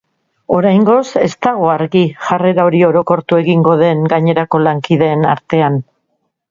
Oraingoz ez dago argi jarrera hori orokortu egingo den gainerako lankideen artean.